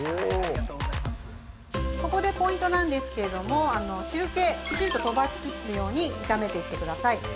◆ここでポイントなんですけれども汁気をきちんと飛ばしきるように炒めていってください。